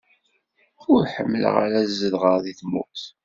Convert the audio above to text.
Ur ḥemmleɣ ad zedɣeɣ deg tmurt.